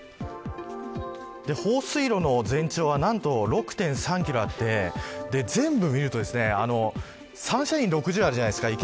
放水路の全長は何と６．３キロあって全部を見るとサンシャイン６０あるじゃないですか。